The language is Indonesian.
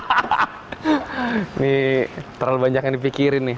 ini terlalu banyak yang dipikirin nih